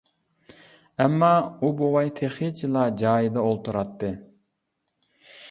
ئەمما، ئۇ بوۋاي تېخىچىلا جايىدا ئولتۇراتتى.